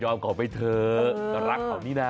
เขาไปเถอะรักเขานี่นะ